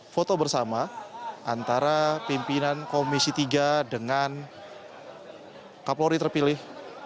foto bersama antara pimpinan komisi tiga dengan kapolri terpilih